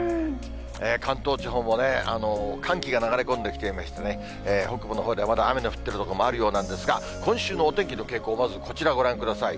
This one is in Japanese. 関東地方もね、寒気が流れ込んできていましてね、北部のほうではまだ雨の降っている所もあるようなんですが、今週のお天気の傾向、まずこちら、ご覧ください。